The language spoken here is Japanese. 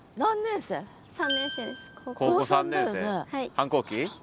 反抗期？